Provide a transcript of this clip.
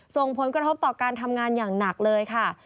ส่งผลกระทบต่อการทำงานอย่างหนักเลยค่ะ